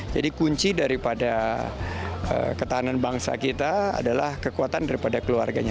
jadi kunci daripada ketahanan bangsa kita adalah kekuatan daripada keluarganya